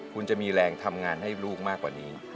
คุณจะมีแรงทำงานให้ลูกมากกว่านี้